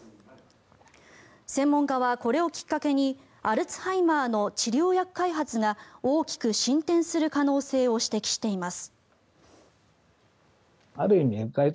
専門家はこれをきっかけにアルツハイマーの治療薬開発が大きく進展する可能性を指摘しています。